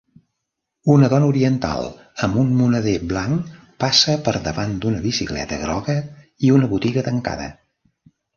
Una dona oriental amb un moneder blanc passa per davant d'una bicicleta groga i una botiga tancada.